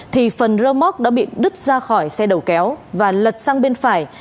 thì phần rơ móc đã bị đứt ra khỏi xe đầu kéo và lật sang bên phải